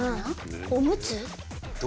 おむつ。